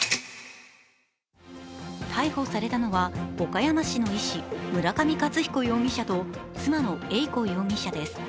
逮捕されたのは岡山市の医師村上勝彦容疑者と妻の英子容疑者です。